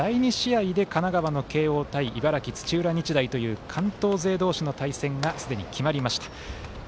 第２試合で、神奈川の慶応対茨城の土浦日大という関東勢同士の対決がすでに決まりました。